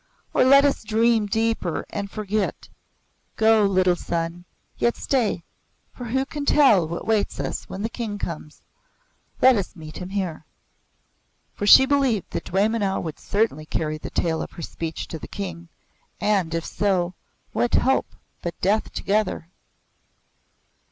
Or let us dream deeper and forget. Go, little son, yet stay for who can tell what waits us when the King comes. Let us meet him here." For she believed that Dwaymenau would certainly carry the tale of her speech to the King, and, if so, what hope but death together?